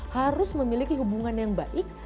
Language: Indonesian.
harus memiliki hubungan yang baik